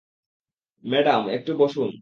Madam, একটু বসুন।